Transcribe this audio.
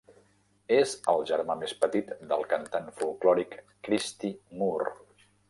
És el germà més petit del cantant folklòric Christy Moore.